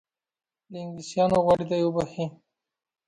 له انګلیسیانو وغواړي دی وبخښي.